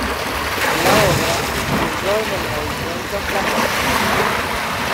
La obra influyó en el movimiento flamenco.